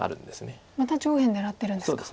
また上辺狙ってるんですか。